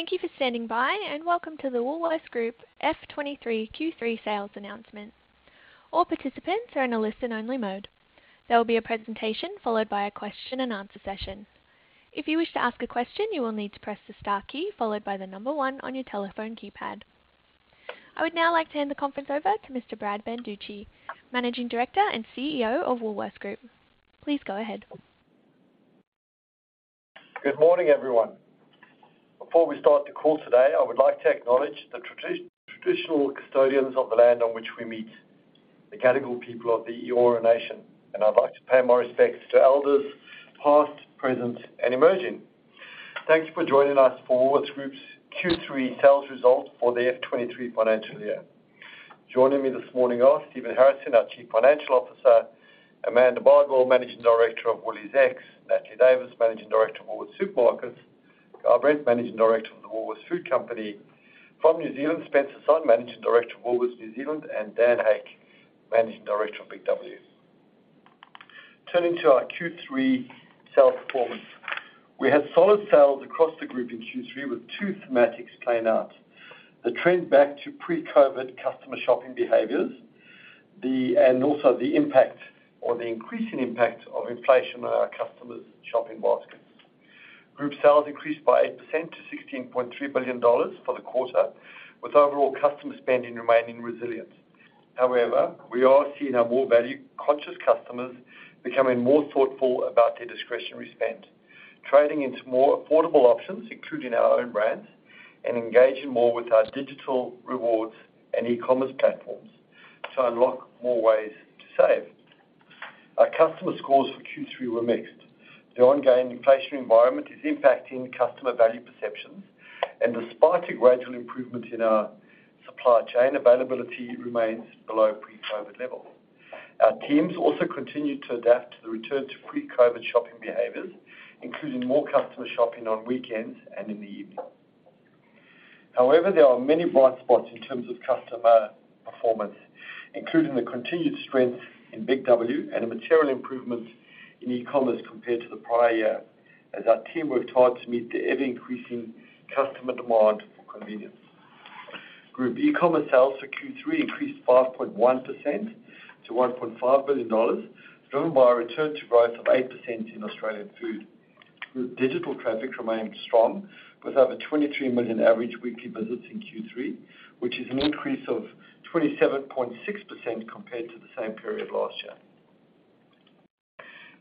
Thank you for standing by, welcome to the Woolworths Group F23 Q3 Sales Announcement. All participants are in a listen-only mode. There will be a presentation followed by a question and answer session. If you wish to ask a question, you will need to press the Star key followed by 1 on your telephone keypad. I would now like to hand the conference over to Mr. Brad Banducci, Managing Director and CEO of Woolworths Group. Please go ahead. Good morning, everyone. Before we start the call today, I would like to acknowledge the traditional custodians of the land on which we meet, the Gadigal people of the Eora Nation, and I'd like to pay my respects to elders, past, present, and emerging. Thank you for joining us for Woolworths Group's Q3 sales results for the F23 financial year. Joining me this morning are Stephen Harrison, our Chief Financial Officer, Amanda Bardwell, Managing Director of WooliesX, Natalie Davis, Managing Director of Woolworths Supermarkets, Guy Brent, Managing Director of The Woolworths Food Company. From New Zealand, Spencer Sonn, Managing Director of Woolworths New Zealand, and Dan Hake, Managing Director of BIG W. Turning to our Q3 sales performance. We had solid sales across the group in Q3 with two thematics playing out: the trend back to pre-COVID customer shopping behaviors, the... Also the impact or the increasing impact of inflation on our customers' shopping baskets. Group sales increased by 8% to 16.3 billion dollars for the quarter, with overall customer spending remaining resilient. However, we are seeing our more value-conscious customers becoming more thoughtful about their discretionary spend, trading into more affordable options, including our own brands, and engaging more with our digital rewards and e-commerce platforms to unlock more ways to save. Our customer scores for Q3 were mixed. The ongoing inflation environment is impacting customer value perceptions, and despite a gradual improvement in our supply chain, availability remains below pre-COVID levels. Our teams also continued to adapt to the return to pre-COVID shopping behaviors, including more customer shopping on weekends and in the evening. However, there are many bright spots in terms of customer performance, including the continued strength in BIG W and a material improvement in e-commerce compared to the prior year as our team worked hard to meet the ever-increasing customer demand for convenience. Group e-commerce sales for Q3 increased 5.1% to 1.5 billion dollars, driven by a return to growth of 8% in Australian food, with digital traffic remaining strong with over 23 million average weekly visits in Q3, which is an increase of 27.6% compared to the same period last year.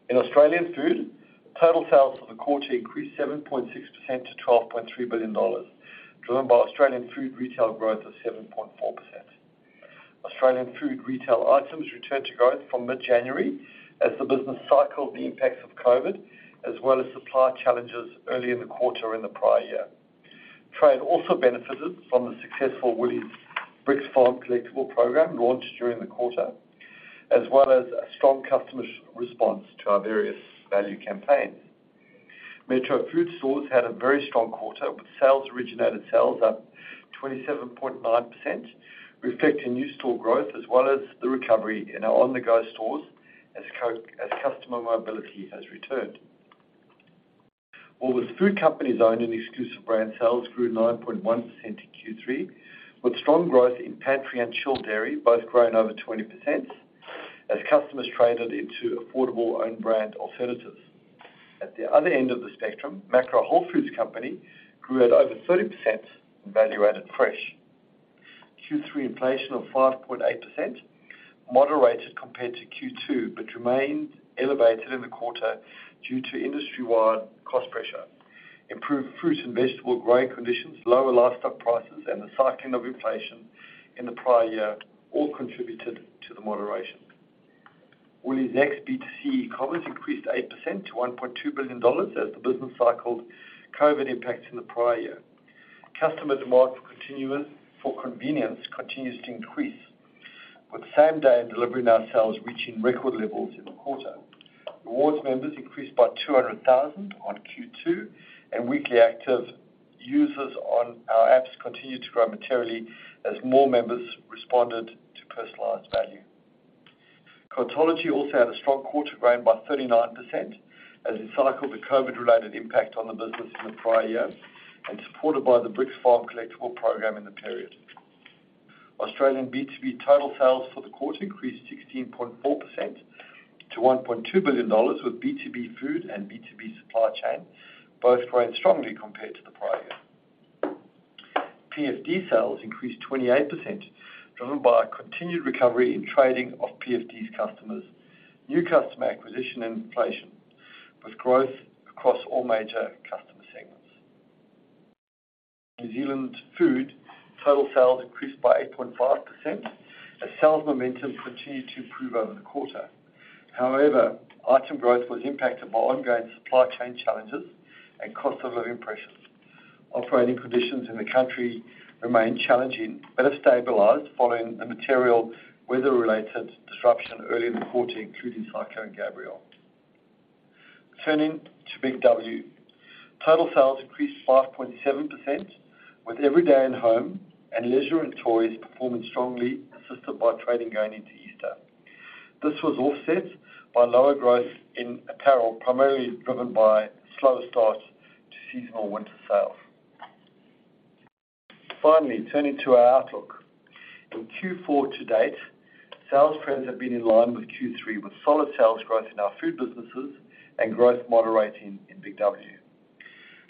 In Australian food, total sales for the quarter increased 7.6% to 12.3 billion dollars, driven by Australian food retail growth of 7.4%. Australian food retail items returned to growth from mid-January as the business cycled the impacts of COVID, as well as supply challenges early in the quarter in the prior year. Trade also benefited from the successful Woolies Bricks Farm collectible program launched during the quarter, as well as a strong customer's response to our various value campaigns. Metro food stores had a very strong quarter, with originated sales up 27.9%, reflecting new store growth as well as the recovery in our on-the-go stores as customer mobility has returned. Woolworths Food Company's own and exclusive brand sales grew 9.1% in Q3, with strong growth in pantry and chilled dairy both growing over 20% as customers traded into affordable own-brand alternatives. At the other end of the spectrum, Macro Whole Foods Company grew at over 30% in value-added fresh. Q3 inflation of 5.8% moderated compared to Q2, but remained elevated in the quarter due to industry-wide cost pressure. Improved fruits and vegetable growing conditions, lower livestock prices, and the cycling of inflation in the prior year all contributed to the moderation. WooliesX B2C e-commerce increased 8% to 1.2 billion dollars as the business cycled COVID impacts in the prior year. Customer demand for continuance for convenience continues to increase, with same-day delivery and ourselves reaching record levels in the quarter. Rewards members increased by 200,000 on Q2, and weekly active users on our apps continued to grow materially as more members responded to personalized value. Cartology also had a strong quarter growing by 39% as it cycled the COVID-related impact on the business in the prior year and supported by the Bricks Farm collectible program in the period. Australian B2B total sales for the quarter increased 16.4% to 1.2 billion dollars, with B2B food and B2B supply chain both growing strongly compared to the prior year. PFD sales increased 28%, driven by continued recovery in trading of PFD's customers, new customer acquisition, and inflation with growth across all major customer segments. New Zealand food total sales increased by 8.5% as sales momentum continued to improve over the quarter. However, item growth was impacted by ongoing supply chain challenges and cost of living pressures. Operating conditions in the country remain challenging, but have stabilized following the material weather-related disruption earlier in the quarter, including Cyclone Gabrielle. Turning to Big W. Total sales increased 5.7% with every day in home and leisure and toys performing strongly, assisted by trading gain into Easter. This was offset by lower growth in apparel, primarily driven by slower start to seasonal winter sales. Turning to our outlook. In Q4 to date, sales trends have been in line with Q3, with solid sales growth in our food businesses and growth moderating in Big W.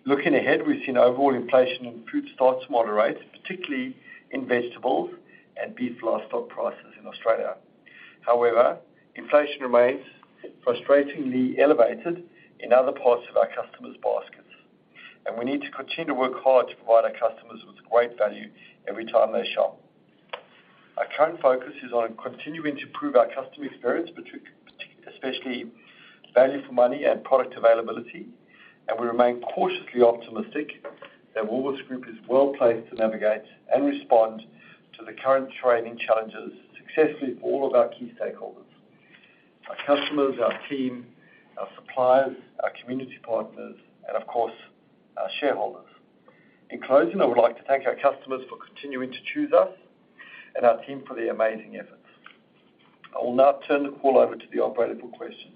Looking ahead, we've seen overall inflation in food starts moderate, particularly in vegetables and beef livestock prices in Australia. Inflation remains frustratingly elevated in other parts of our customers' baskets, and we need to continue to work hard to provide our customers with great value every time they shop. Our current focus is on continuing to improve our customer experience, especially value for money and product availability. We remain cautiously optimistic that Woolworths Group is well-placed to navigate and respond to the current trading challenges successfully for all of our key stakeholders, our customers, our team, our suppliers, our community partners, and of course, our shareholders. In closing, I would like to thank our customers for continuing to choose us and our team for their amazing efforts. I will now turn the call over to the operator for questions.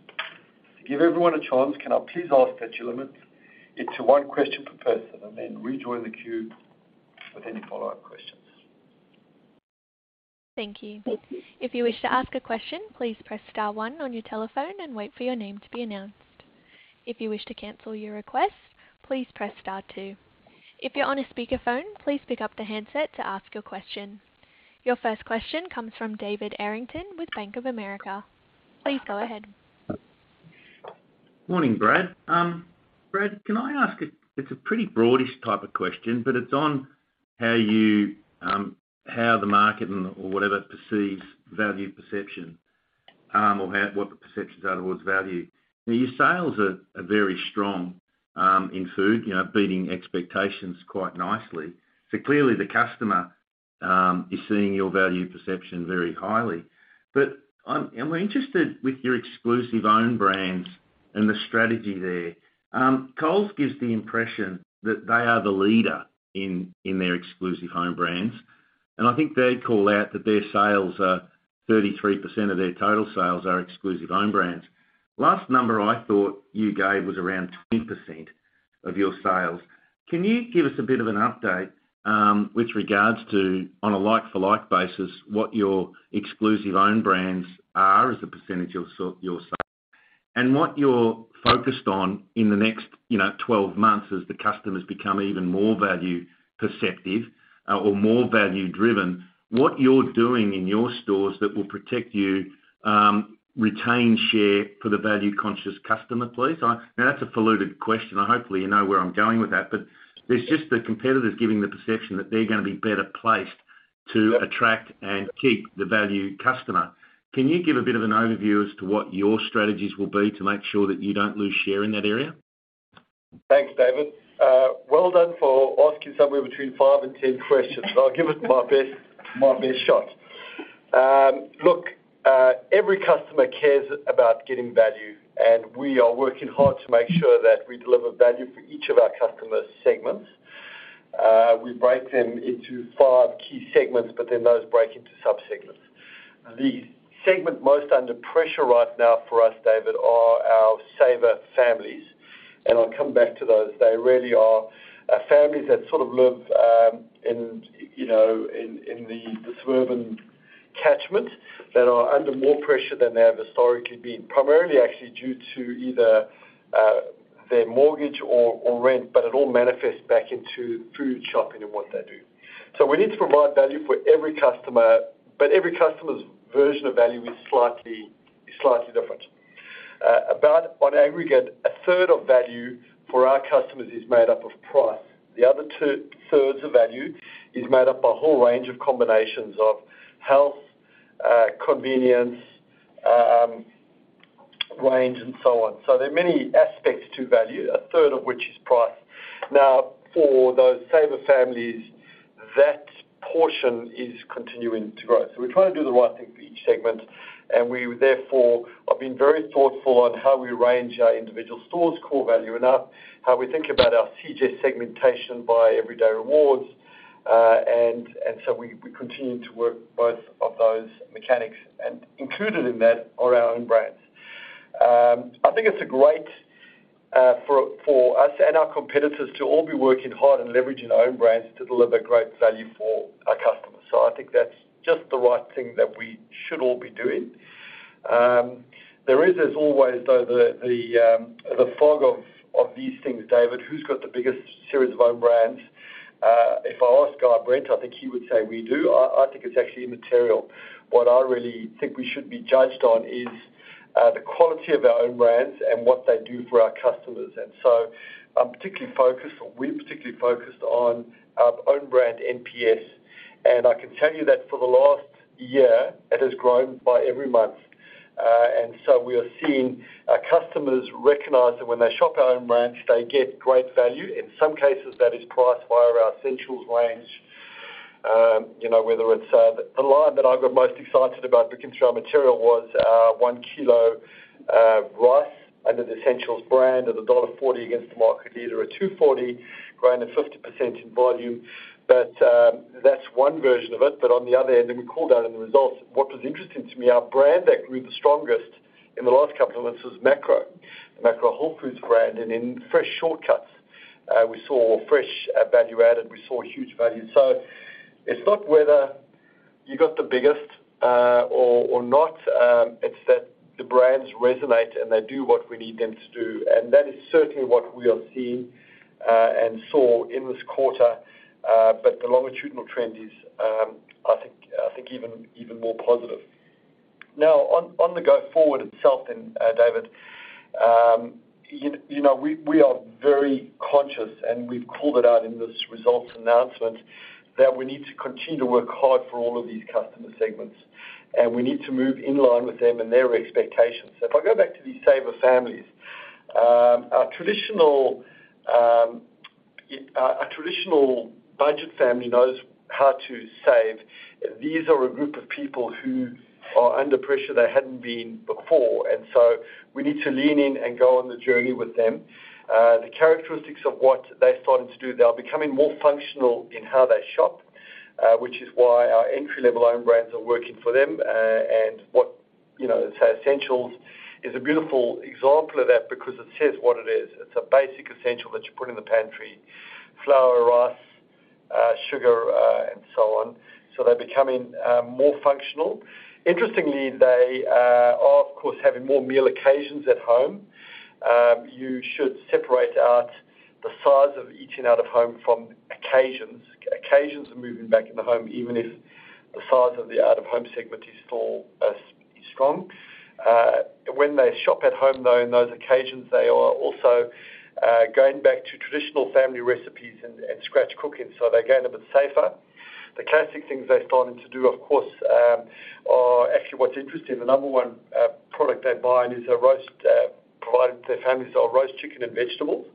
To give everyone a chance, can I please ask that you limit it to one question per person and then rejoin the queue with any follow-up questions. Thank you. If you wish to ask a question, please press star one on your telephone and wait for your name to be announced. If you wish to cancel your request, please press star two. If you're on a speakerphone, please pick up the handset to ask your question. Your first question comes from David Errington with Bank of America. Please go ahead. Morning, Brad. Brad, it's a pretty broadish type of question, but it's on how you, how the market and/or whatever perceives value perception, or what the perceptions are towards value. Your sales are very strong, you know, beating expectations quite nicely. Clearly the customer is seeing your value perception very highly. I'm interested with your exclusive own brands and the strategy there. Coles gives the impression that they are the leader in their exclusive own brands, and I think they call out that their sales are 33% of their total sales are exclusive own brands. Last number I thought you gave was around 10% of your sales. Can you give us a bit of an update with regards to, on a like-for-like basis, what your exclusive own brands are as a % of your sales? What you're focused on in the next, you know, 12 months as the customers become even more value perceptive or more value-driven, what you're doing in your stores that will protect you, retain share for the value-conscious customer, please? I know that's a polluted question. Hopefully, you know where I'm going with that. There's just the competitors giving the perception that they're gonna be better placed to attract and keep the value customer. Can you give a bit of an overview as to what your strategies will be to make sure that you don't lose share in that area? Thanks, David. Well done for asking somewhere between five and 10 questions. I'll give it my best shot. Look, every customer cares about getting value. We are working hard to make sure that we deliver value for each of our customer segments. We break them into five key segments. Those break into sub-segments. The segment most under pressure right now for us, David, are our saver families. I'll come back to those. They really are families that sort of live, you know, in the suburban catchment that are under more pressure than they have historically been, primarily actually due to either their mortgage or rent. It all manifests back into food shopping and what they do. We need to provide value for every customer, but every customer's version of value is slightly different. About on aggregate, a third of value for our customers is made up of price. The other two-thirds of value is made up by a whole range of combinations of health, convenience, range and so on. There are many aspects to value, a third of which is price. Now, for those saver families, that portion is continuing to grow. We're trying to do the right thing for each segment, and we therefore have been very thoughtful on how we arrange our individual stores' core value and how we think about our CJ segmentation by Everyday Rewards. We continue to work both of those mechanics, and included in that are our own brands. I think it's great for us and our competitors to all be working hard and leveraging our own brands to deliver great value for our customers. I think that's just the right thing that we should all be doing. There is, as always, though, the fog of these things, David, who's got the biggest series of own brands. If I ask Guy Brent, I think he would say we do. I think it's actually immaterial. What I really think we should be judged on is the quality of our own brands and what they do for our customers. I'm particularly focused, or we're particularly focused on our own brand NPS, and I can tell you that for the last year, it has grown by every month. We are seeing our customers recognize that when they shop our own brands, they get great value. In some cases, that is priced via our Essentials range. You know, whether it's the line that I got most excited about because it's our material was our 1 kilo rice. Under the Essentials brand at dollar 1.40 against the market leader at 2.40, growing at 50% in volume. That's one version of it. On the other end, we called out in the results, what was interesting to me, our brand that grew the strongest in the last couple of months was Macro, the Macro Wholefoods brand. In fresh shortcuts, we saw fresh value added, we saw huge value. It's not whether you got the biggest, or not, it's that the brands resonate, and they do what we need them to do. That is certainly what we are seeing, and saw in this quarter. The longitudinal trend is, I think even more positive. On the go forward itself then, David, you know, we are very conscious, and we've called it out in this results announcement that we need to continue to work hard for all of these customer segments, and we need to move in line with them and their expectations. If I go back to these saver families, our traditional budget family knows how to save. These are a group of people who are under pressure they hadn't been before. We need to lean in and go on the journey with them. The characteristics of what they're starting to do, they are becoming more functional in how they shop, which is why our entry-level own brands are working for them. What, you know, say Essentials is a beautiful example of that because it says what it is. It's a basic essential that you put in the pantry, flour, rice, sugar, and so on. They're becoming more functional. Interestingly, they are, of course, having more meal occasions at home. You should separate out the size of eat in out of home from occasions. Occasions are moving back in the home, even if the size of the out of home segment is still strong. When they shop at home, though, in those occasions, they are also going back to traditional family recipes and scratch cooking, so they're going a bit safer. The classic things they're starting to do, of course, actually what's interesting, the number one product they're buying is a roast, providing to their families are roast chicken and vegetables.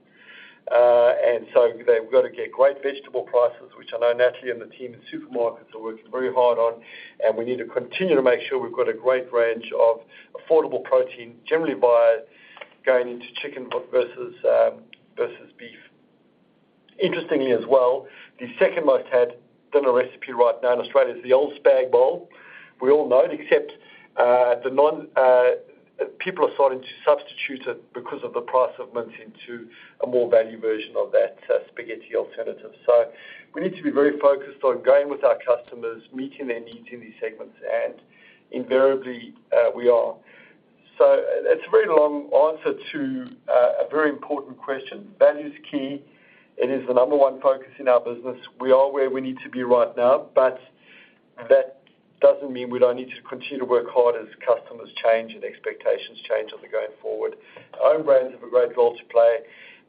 So they've got to get great vegetable prices, which I know Natalie and the team in supermarkets are working very hard on. We need to continue to make sure we've got a great range of affordable protein, generally by going into chicken versus beef. Interestingly as well, the second most had dinner recipe right now in Australia is the old spag bol. We all know it, except the non people are starting to substitute it because of the price of mince into a more value version of that spaghetti alternative. We need to be very focused on going with our customers, meeting their needs in these segments, and invariably, we are. That's a very long answer to a very important question. Value's key. It is the number one focus in our business. We are where we need to be right now, but that doesn't mean we don't need to continue to work hard as customers change and expectations change on the going forward. Our own brands have a great role to play,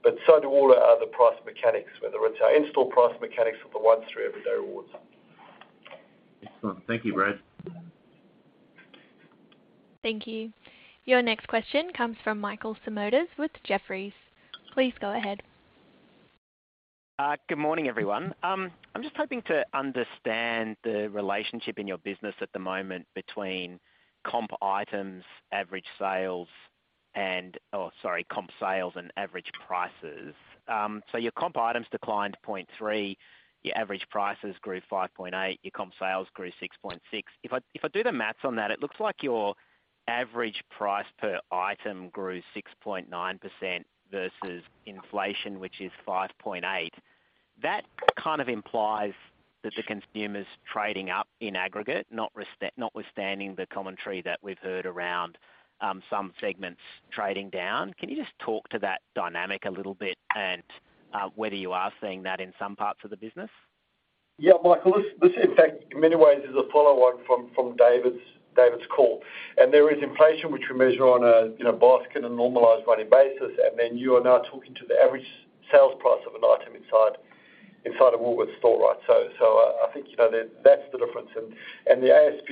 but so do all our other price mechanics, whether it's our in-store price mechanics or the One3 Everyday Rewards. Excellent. Thank you, Brad. Thank you. Your next question comes from Michael Simotas with Jefferies. Please go ahead. Good morning, everyone. I'm just hoping to understand the relationship in your business at the moment between comp items, average sales and comp sales and average prices. Your comp items declined 0.3, your average prices grew 5.8, your comp sales grew 6.6. If I do the maths on that, it looks like your average price per item grew 6.9% versus inflation, which is 5.8. That kind of implies that the consumer's trading up in aggregate, not notwithstanding the commentary that we've heard around some segments trading down. Can you just talk to that dynamic a little bit and whether you are seeing that in some parts of the business? Yeah, Michael, this in fact, in many ways is a follow on from David's call. There is inflation, which we measure on a, you know, basket and normalized running basis. You are now talking to the average sales price of an item inside a Woolworths store, right? I think, you know, that's the difference. The ASP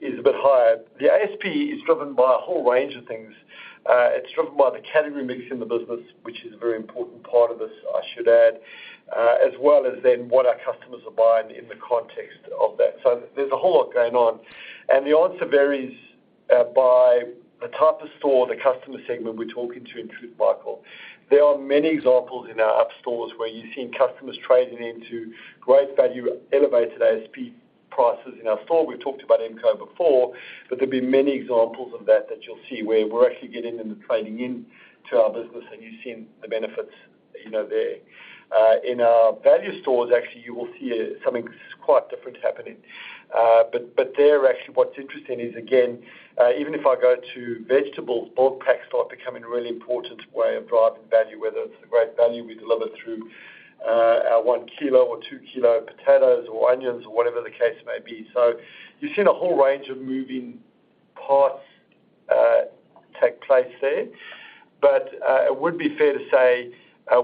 is a bit higher. The ASP is driven by a whole range of things. It's driven by the category mix in the business, which is a very important part of this, I should add, as well as then what our customers are buying in the context of that. There's a whole lot going on. The answer varies by the type of store, the customer segment we're talking to, in truth, Michael. There are many examples in our hub stores where you're seeing customers trading into great value, elevated ASP prices. In our store, we've talked about Emco before, there'll be many examples of that that you'll see where we're actually getting them to trading into our business, and you're seeing the benefits, you know, there. In our value stores, actually, you will see something quite different happening. There actually what's interesting is, again, even if I go to vegetables, bulk packs start becoming a really important way of driving value, whether it's the great value we deliver through, our 1 kilo or 2 kilo potatoes or onions or whatever the case may be. You're seeing a whole range of moving parts, take place there. It would be fair to say,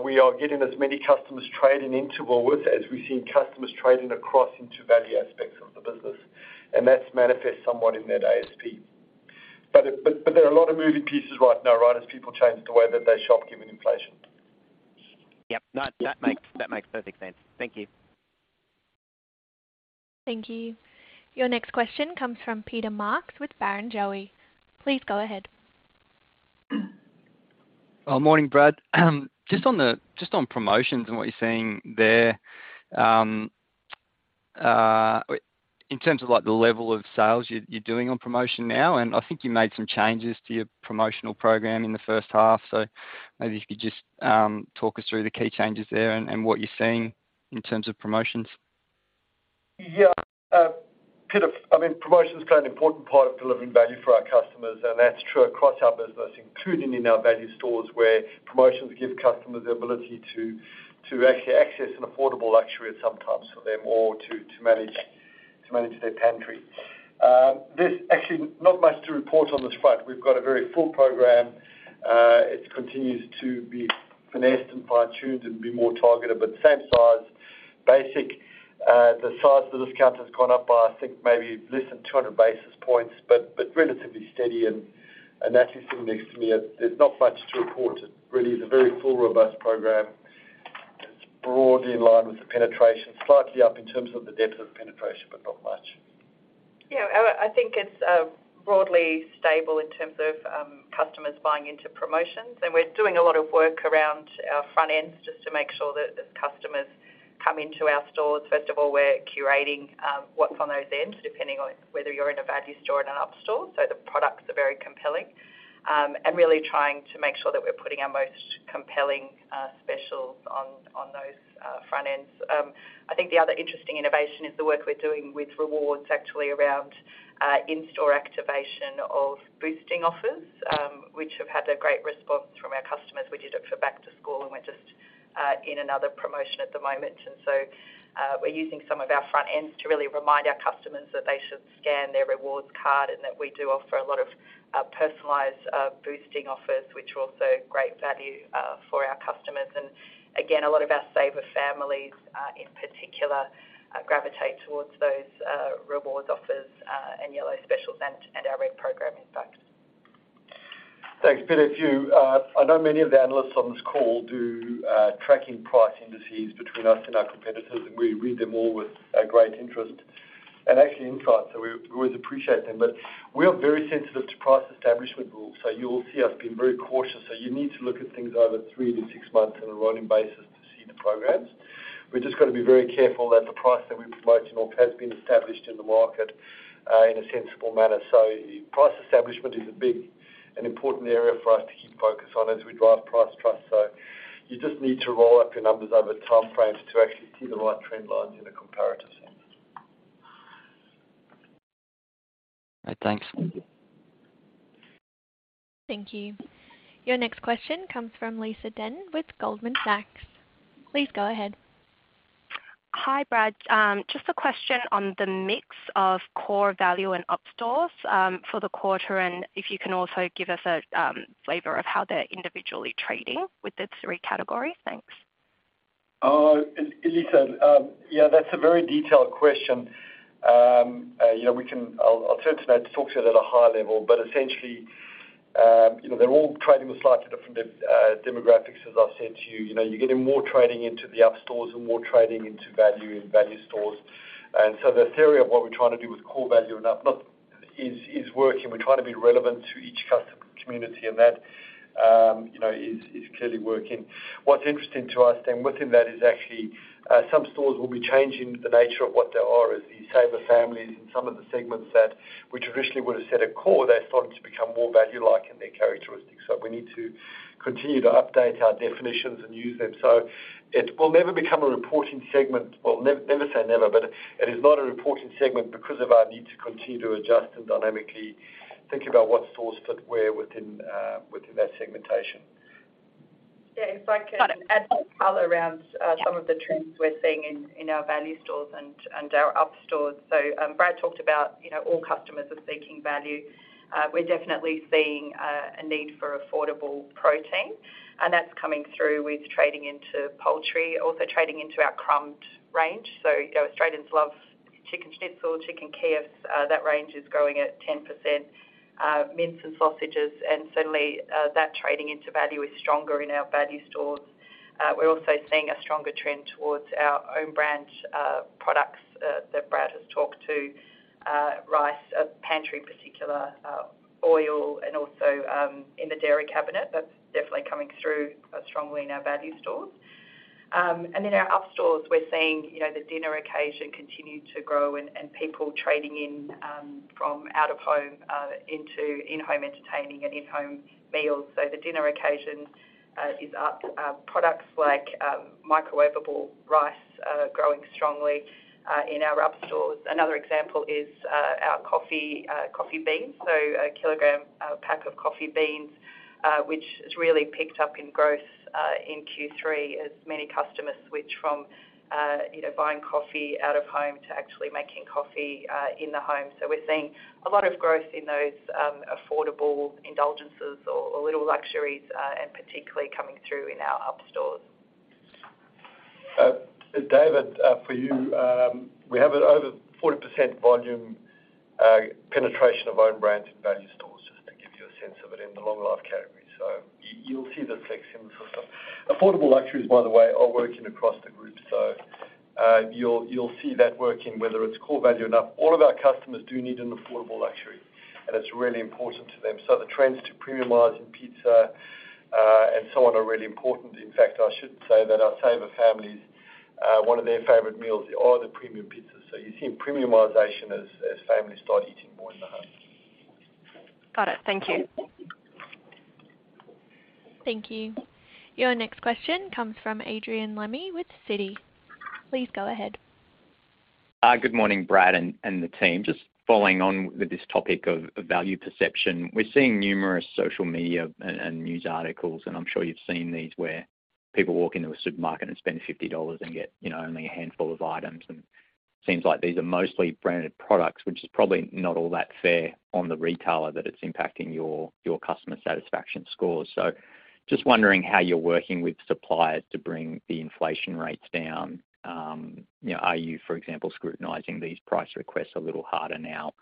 we are getting as many customers trading into Woolworths as we're seeing customers trading across into value aspects of the business. That's manifest somewhat in that ASP. There are a lot of moving pieces right now, right? As people change the way that they shop given inflation. Yep. That makes perfect sense. Thank you. Thank you. Your next question comes from Peter Marks with Barrenjoey. Please go ahead. Morning, Brad. Just on promotions and what you're seeing there, in terms of, like, the level of sales you're doing on promotion now. I think you made some changes to your promotional program in the first half. Maybe if you could just talk us through the key changes there and what you're seeing in terms of promotions. Yeah. Peter, I mean, promotion's kind of an important part of delivering value for our customers. That's true across our business, including in our value stores, where promotions give customers the ability to actually access an affordable luxury at some times for them or to manage their pantry. There's actually not much to report on this front. We've got a very full program. It continues to be finessed and fine-tuned and be more targeted, but the same size, basic, the size of the discount has gone up by, I think, maybe less than 200 basis points, but relatively steady and Natalie sitting next to me. There's not much to report. It really is a very full, robust program. It's broadly in line with the penetration, slightly up in terms of the depth of penetration, but not much. Yeah. I think it's broadly stable in terms of customers buying into promotions. We're doing a lot of work around our front ends just to make sure that the customers come into our stores. First of all, we're curating what's on those ends, depending on whether you're in a value store or an up store. The products are very compelling, and really trying to make sure that we're putting our most compelling specials on those front ends. I think the other interesting innovation is the work we're doing with rewards actually around in-store activation of boosting offers, which have had a great response from our customers. We did it for back to school, and we're just in another promotion at the moment. We're using some of our front ends to really remind our customers that they should scan their Rewards card and that we do offer a lot of personalized boosting offers, which are also great value for our customers. Again, a lot of our saver families in particular gravitate towards those Rewards offers and yellow specials and our red program in fact. Thanks, Peter. If you, I know many of the analysts on this call do, tracking price indices between us and our competitors, and we read them all with a great interest and actually insight, we always appreciate them. We are very sensitive to price establishment rules, you'll see us being very cautious. You need to look at things over three to six months on a rolling basis to see the programs. We've just got to be very careful that the price that we're promoting off has been established in the market, in a sensible manner. Price establishment is a big and important area for us to keep focus on as we drive price trust. You just need to roll up your numbers over time frames to actually see the right trend lines in a comparative sense. Thanks. Thank you. Your next question comes from Lisa Deng with Goldman Sachs. Please go ahead. Hi, Brad. Just a question on the mix of core value and up stores for the quarter, and if you can also give us a flavor of how they're individually trading with the three categories. Thanks. Lisa, yeah, that's a very detailed question. You know, we can... I'll turn to Nate to talk to it at a high level. Essentially, you know, they're all trading with slightly different demographics, as I've said to you. You know, you're getting more trading into the up stores and more trading into value in value stores. The theory of what we're trying to do with core value and up look is working. We're trying to be relevant to each customer community, and that, you know, is clearly working. What's interesting to us then within that is actually, some stores will be changing the nature of what they are as these saver families in some of the segments that we traditionally would have said are core, they're starting to become more value-like in their characteristics. We need to continue to update our definitions and use them. It will never become a reporting segment. Well, never say never, but it is not a reporting segment because of our need to continue to adjust and dynamically think about what stores fit where within that segmentation. Yeah, if I can add some color around, some of the trends we're seeing in our value stores and our up stores. Brad talked about, you know, all customers are seeking value. We're definitely seeing, a need for affordable protein, and that's coming through with trading into poultry, also trading into our crumbed range. You know, Australians love chicken schnitzel, chicken kyiv. That range is growing at 10%. Mince and sausages, certainly, that trading into value is stronger in our value stores. We're also seeing a stronger trend towards our own brand, products, that Brad has talked to. Rice, pantry in particular, oil and also, in the dairy cabinet. That's definitely coming through, strongly in our value stores. In our up stores, we're seeing, you know, the dinner occasion continue to grow and people trading in from out of home into in-home entertaining and in-home meals. The dinner occasion is up. Products like microwavable rice growing strongly in our up stores. Another example is our coffee beans, so a kilogram pack of coffee beans, which has really picked up in growth in Q3 as many customers switch from, you know, buying coffee out of home to actually making coffee in the home. We're seeing a lot of growth in those affordable indulgences or little luxuries, and particularly coming through in our up stores. David, for you, we have over 40% volume, penetration of own brands in value stores. In the long life category. You'll see the flex in the system. Affordable luxuries, by the way, are working across the group. You'll see that working, whether it's core value or not. All of our customers do need an affordable luxury, and it's really important to them. The trends to premiumizing pizza, and so on are really important. In fact, I should say that our saver families, one of their favorite meals are the premium pizzas. You're seeing premiumization as families start eating more in the home. Got it. Thank you. Thank you. Your next question comes from Adrian Lemme with Citi. Please go ahead. Good morning, Brad and the team. Just following on with this topic of value perception. We're seeing numerous social media and news articles, and I'm sure you've seen these, where people walk into a supermarket and spend 50 dollars and get, you know, only a handful of items. Seems like these are mostly branded products, which is probably not all that fair on the retailer, that it's impacting your customer satisfaction scores. Just wondering how you're working with suppliers to bring the inflation rates down. You know, are you, for example, scrutinizing these price requests a little harder now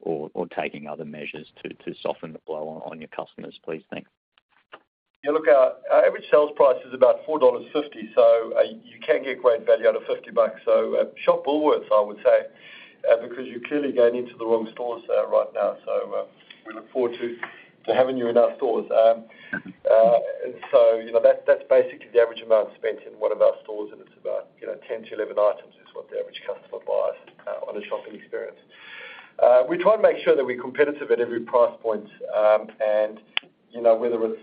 or taking other measures to soften the blow on your customers, please? Thanks. Yeah, look, our average sales price is about 4.50 dollars, you can get great value out of 50 bucks. Shop Woolworths, I would say, because you're clearly going into the wrong stores right now. We look forward to having you in our stores. You know, that's basically the average amount spent in one of our stores, and it's about, you know, 10-11 items is what the average customer buys on a shopping experience. We try and make sure that we're competitive at every price point. you know, whether it's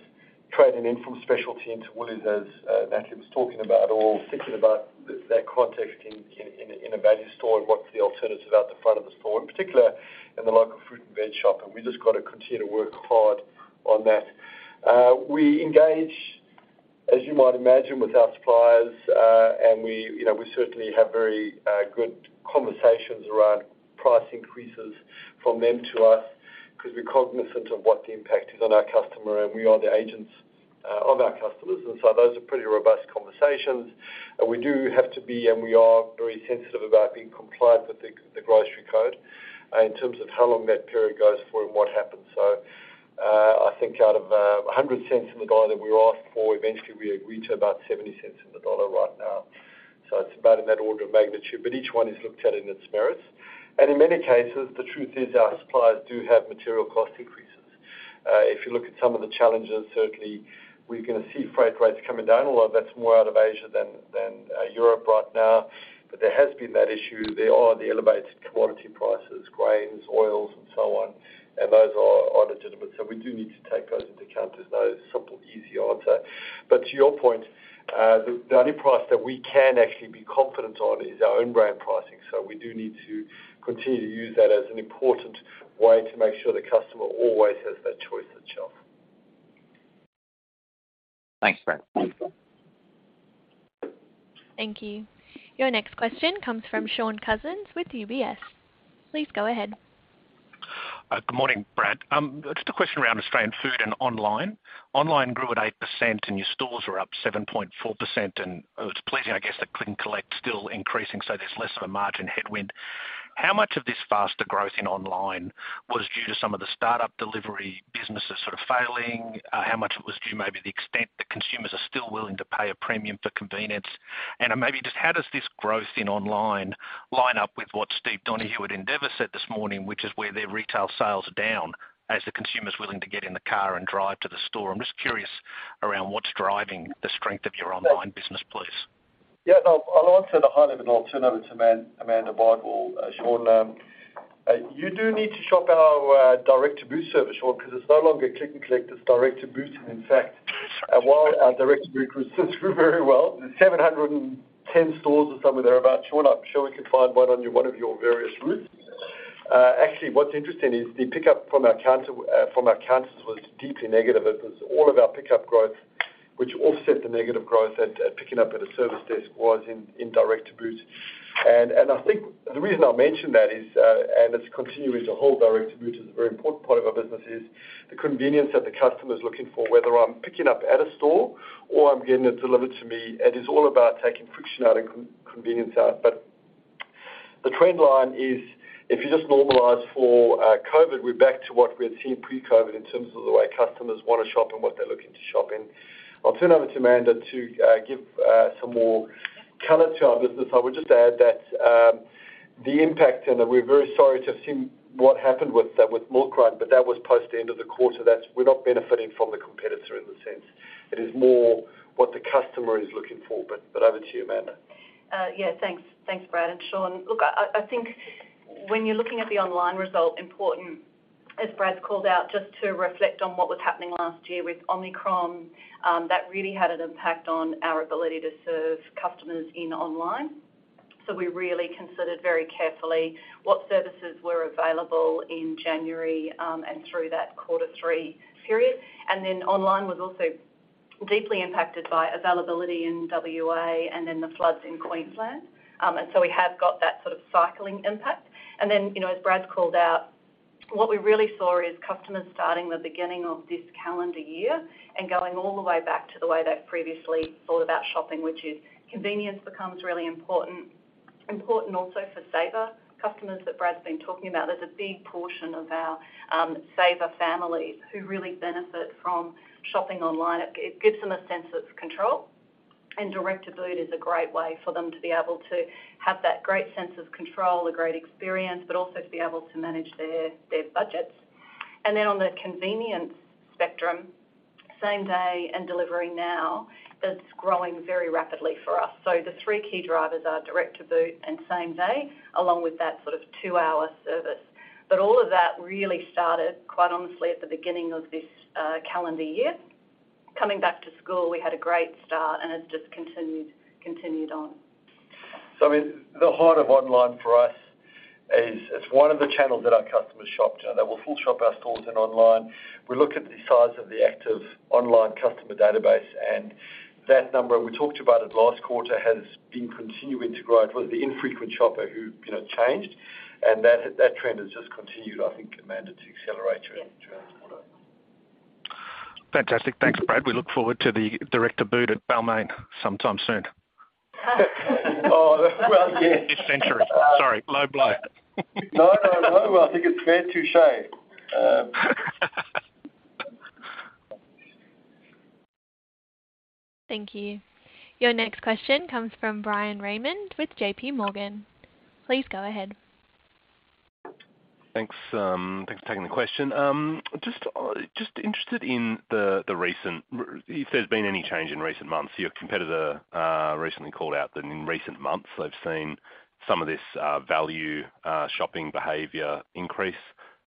trading in from specialty into Woolies, as Matthew was talking about, or thinking about that context in a value store and what's the alternative out the front of the store, in particular in the local fruit and veg shop. We just gotta continue to work hard on that. We engage, as you might imagine, with our suppliers, and we, you know, we certainly have very good conversations around price increases from them to us 'cause we're cognizant of what the impact is on our customer, and we are the agents of our customers. Those are pretty robust conversations. We do have to be, and we are very sensitive about being compliant with the Grocery Code in terms of how long that period goes for and what happens. I think out of 100 cents in the dollar that we're asked for, eventually we agree to about 70 cents in the dollar right now. It's about in that order of magnitude, but each one is looked at in its merits. And in many cases, the truth is our suppliers do have material cost increases. If you look at some of the challenges, certainly we're gonna see freight rates coming down. A lot of that's more out of Asia than Europe right now. But there has been that issue. There are the elevated commodity prices, grains, oils, and so on, and those are legitimate, so we do need to take those into account. There's no simple, easy answer. To your point, the only price that we can actually be confident on is our own brand pricing, so we do need to continue to use that as an important way to make sure the customer always has that choice at shelf. Thanks, Brad. Thank you. Your next question comes from Shaun Cousins with UBS. Please go ahead. Good morning, Brad. Just a question around Australian Food and online. Online grew at 8% and your stores were up 7.4%. It's pleasing, I guess, that Click and Collect still increasing, so there's less of a margin headwind. How much of this faster growth in online was due to some of the startup delivery businesses sort of failing? How much was due maybe the extent that consumers are still willing to pay a premium for convenience? Then maybe just how does this growth in online line up with what Steve Donohue at Endeavour said this morning, which is where their retail sales are down as the consumer's willing to get in the car and drive to the store? I'm just curious around what's driving the strength of your online business, please. Yeah. I'll answer the high level, and I'll turn over to Amanda Bardwell, Shaun. You do need to shop our Direct to Boot service, Shaun, 'cause it's no longer Click and Collect, it's Direct to Boot. In fact, while our Direct to Boot grew very well, 710 stores or somewhere thereabout, Shaun, I'm sure we can find one on one of your various routes. Actually, what's interesting is the pickup from our counter, from our counters was deeply negative. It was all of our pickup growth, which offset the negative growth at picking up at a service desk was in Direct to Boot. I think the reason I mention that is, and it's continuing to hold, Direct to Boot is a very important part of our business, is the convenience that the customer's looking for, whether I'm picking up at a store or I'm getting it delivered to me, it is all about taking friction out and convenience out. The trend line is if you just normalize for COVID, we're back to what we had seen pre-COVID in terms of the way customers wanna shop and what they're looking to shop in. I'll turn over to Amanda to give some more color to our business. I would just add that the impact, and we're very sorry to have seen what happened with Mulgrave, but that was post the end of the quarter. We're not benefiting from the competitor in that sense. It is more what the customer is looking for. Over to you, Amanda. Yeah, thanks. Thanks, Brad and Shaun. Look, I think when you're looking at the online result, important, as Brad's called out, just to reflect on what was happening last year with Omicron, that really had an impact on our ability to serve customers in online. We really considered very carefully what services were available in January, and through that quarter three period. Online was also deeply impacted by availability in WA and then the floods in Queensland. We have got that sort of cycling impact. You know, as Brad's called out, what we really saw is customers starting the beginning of this calendar year and going all the way back to the way they previously thought about shopping, which is convenience becomes really important also for saver customers that Brad's been talking about. There's a big portion of our saver family who really benefit from shopping online. It gives them a sense of control. Direct to boot is a great way for them to be able to have that great sense of control, a great experience, also to be able to manage their budgets. On the convenience spectrum, same-day and delivery now, that's growing very rapidly for us. The three key drivers are Direct to boot and same day, along with that sort of two-hour service. All of that really started, quite honestly, at the beginning of this calendar year. Coming back to school, we had a great start, it's just continued on. I mean, the heart of online for us is it's one of the channels that our customers shop. You know, they will full shop our stores and online. We look at the size of the active online customer database, and that number, and we talked about it last quarter, has been continuing to grow. It was the infrequent shopper who, you know, changed, and that trend has just continued, I think, Amanda, to accelerate through to this quarter. Fantastic. Thanks, Brad. We look forward to the Direct to boot at Balmain sometime soon. Oh, well, yeah. This century. Sorry. Low blow. No, no. I think it's fair to say. Thank you. Your next question comes from Bryan Raymond with JPMorgan. Please go ahead. Thanks, thanks for taking the question. Just interested in the recent. If there's been any change in recent months, your competitor recently called out that in recent months they've seen some of this value shopping behavior increase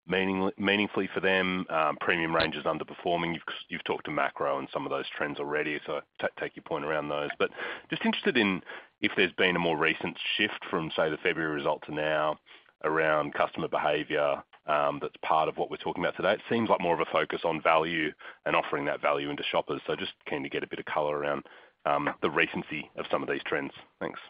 meaningfully for them? Premium range is underperforming. You've talked to macro and some of those trends already, so take your point around those. Just interested in if there's been a more recent shift from, say, the February result to now around customer behavior, that's part of what we're talking about today. It seems like more of a focus on value and offering that value into shoppers. Just keen to get a bit of color around the recency of some of these trends. Thanks.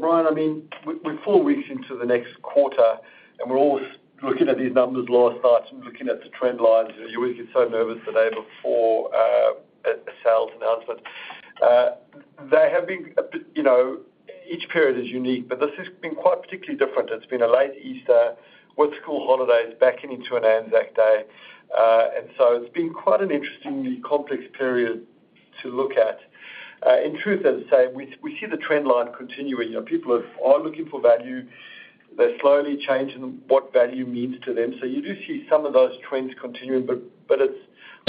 Brian, I mean, we're four weeks into the next quarter, and we're all looking at these numbers last night and looking at the trend lines. You always get so nervous the day before a sales announcement. They have been a bit, you know, each period is unique, but this has been quite particularly different. It's been a late Easter with school holidays backing into an Anzac Day. It's been quite an interestingly complex period to look at. In truth, as I say, we see the trend line continuing. You know, people are looking for value. They're slowly changing what value means to them. You do see some of those trends continuing, but it's.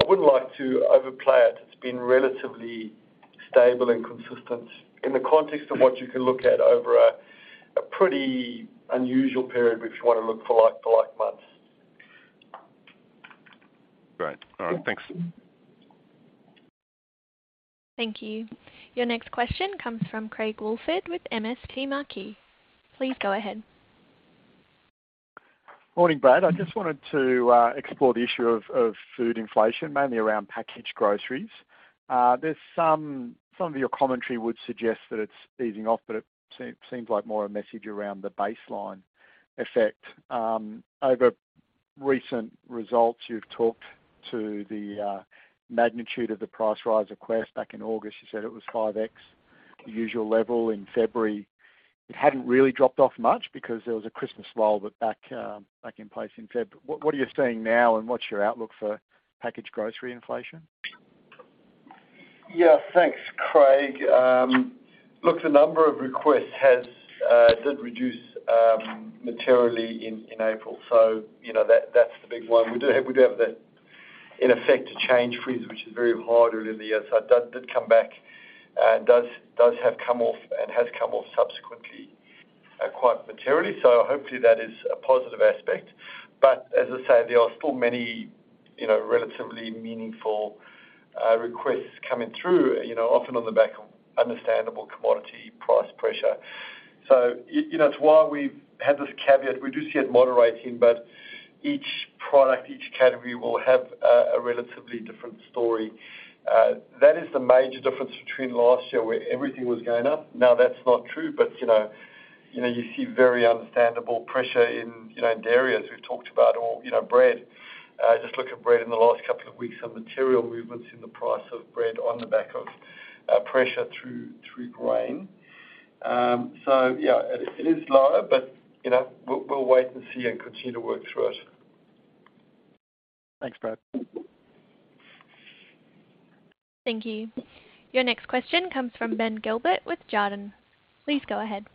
I wouldn't like to overplay it. It's been relatively stable and consistent in the context of what you can look at over a pretty unusual period, if you wanna look for like for like months. Great. All right. Thanks. Thank you. Your next question comes from Craig Woolford with MST Marquee. Please go ahead. Morning, Brad. I just wanted to explore the issue of food inflation, mainly around packaged groceries. There's some of your commentary would suggest that it's easing off, but it seems like more a message around the baseline effect. Over recent results, you've talked to the magnitude of the price rise request. Back in August, you said it was 5x the usual level. In February, it hadn't really dropped off much because there was a Christmas lull, but back in place in February. What are you seeing now, and what's your outlook for packaged grocery inflation? Yeah. Thanks, Craig. look, the number of requests has did reduce materially in April. You know, that's the big one. We do have that in effect change freeze, which is very hard earlier in the year. It does, did come back and does have come off and has come off subsequently quite materially. Hopefully that is a positive aspect. As I say, there are still many, you know, relatively meaningful requests coming through, you know, often on the back of understandable commodity price pressure. You know, it's why we've had this caveat. We do see it moderating, but each product, each category will have a relatively different story. That is the major difference between last year where everything was going up. That's not true, but, you know, you see very understandable pressure in, you know, in dairies we've talked about or, you know, bread. Just look at bread in the last couple of weeks, some material movements in the price of bread on the back of pressure through grain. Yeah, it is lower, but, you know, we'll wait and see and continue to work through it. Thanks, Brad. Thank you. Your next question comes from Ben Gilbert with Jarden. Please go ahead.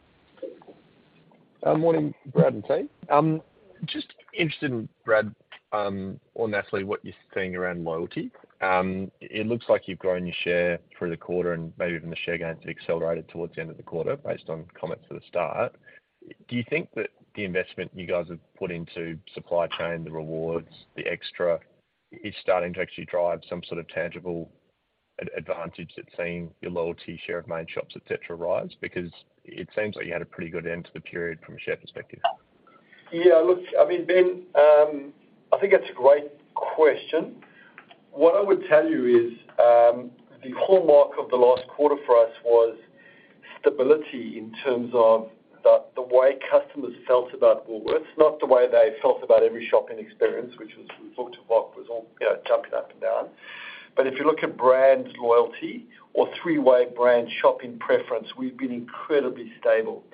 Morning, Brad and team. Just interested in, Brad, or Natalie, what you're seeing around loyalty. It looks like you've grown your share through the quarter and maybe even the share gains accelerated towards the end of the quarter based on comments at the start. Do you think that the investment you guys have put into supply chain, the rewards, the extra is starting to actually drive some sort of tangible advantage that's seeing your loyalty share of main shops, et cetera, rise? It seems like you had a pretty good end to the period from a share perspective. Yeah, look, I mean, Ben, I think that's a great question. What I would tell you is, the hallmark of the last quarter for us was stability in terms of the way customers felt about Woolworths, not the way they felt about every shopping experience, which was, we talked about was all, you know, jumping up and down. If you look at brand loyalty or three-way brand shopping preference, we've been incredibly stable.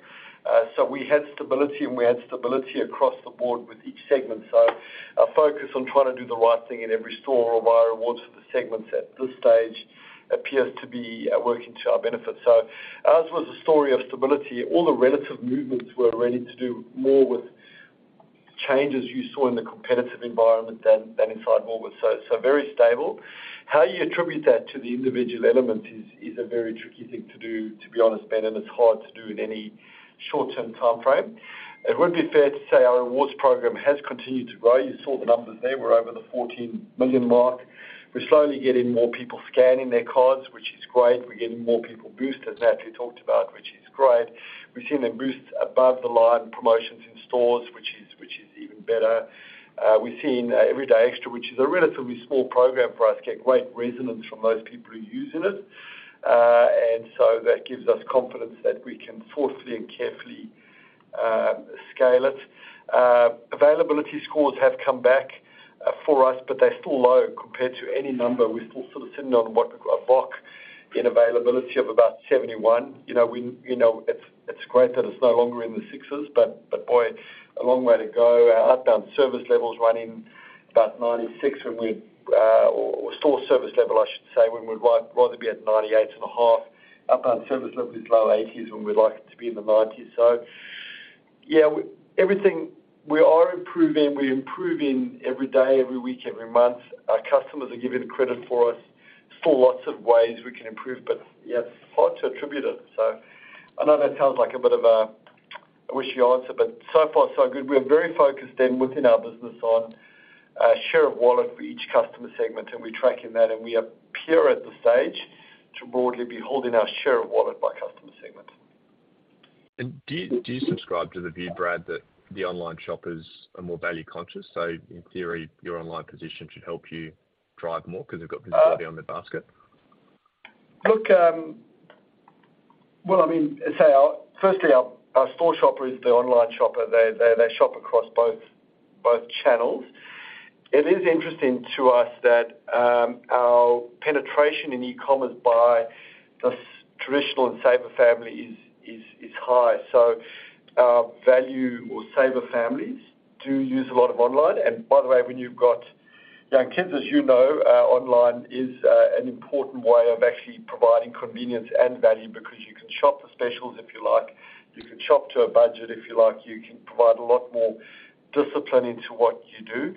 We had stability, and we had stability across the board with each segment. Our focus on trying to do the right thing in every store or via rewards for the segments at this stage appears to be, working to our benefit. Ours was a story of stability. All the relative movements were really to do more with changes you saw in the competitive environment than inside Woolworths. Very stable. How you attribute that to the individual element is a very tricky thing to do, to be honest, Ben, and it's hard to do in any short-term timeframe. It would be fair to say our rewards program has continued to grow. You saw the numbers there. We're over the 14 million mark. We're slowly getting more people scanning their cards, which is great. We're getting more people Boosted as Natalie talked about, which is great. We've seen them boost above the line promotions in stores, which is even better. We've seen Everyday Extra, which is a relatively small program for us, get great resonance from those people who are using it. That gives us confidence that we can thoughtfully and carefully scale it. Availability scores have come back for us, but they're still low compared to any number. We're still sort of sitting on a VOC in availability of about 71. You know, we, you know, it's great that it's no longer in the 6s, but, boy, a long way to go. Our outbound service level's running about 96, or store service level, I should say, when we'd like to be at 98.5. Outbound service level is low 80s, when we'd like it to be in the 90s. Yeah, everything. We are improving. We're improving every day, every week, every month. Our customers are giving the credit for us. Still lots of ways we can improve, but yeah, it's hard to attribute it. I know that sounds like a bit of a wishy answer, but so far so good. We are very focused then within our business on, share of wallet for each customer segment. We're tracking that, and we appear at the stage to broadly be holding our share of wallet by customer segment. Do you subscribe to the view, Brad, that the online shoppers are more value-conscious? In theory, your online position should help you drive more because they've got visibility on the basket. Look, well, I mean, as I say, our store shopper is the online shopper. They shop across both channels. It is interesting to us that our penetration in e-commerce by those traditional and saver family is high. Value or saver families do use a lot of online. By the way, when you've got young kids, as you know, online is an important way of actually providing convenience and value because you can shop the specials if you like, you can shop to a budget if you like, you can provide a lot more discipline into what you do.